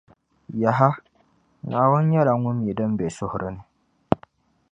Yaha! Naawuni nyɛla Ŋun mi din be suhiri ni